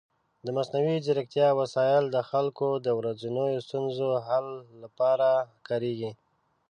د مصنوعي ځیرکتیا وسایل د خلکو د ورځنیو ستونزو حل لپاره کارېږي.